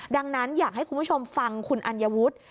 ดังนั้นอยากให้คุณผู้ชมฟังคุณอัญวุฒิ